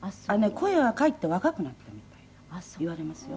声はかえって若くなったみたいな言われますよ。